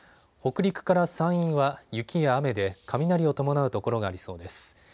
北陸から山陰は雪や雨で雷を伴う所がありそうです。